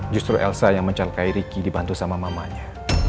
justru elsa yang mencalekai ricky dibantu sama mamanya